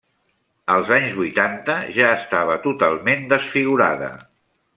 Als anys vuitanta ja estava totalment desfigurada.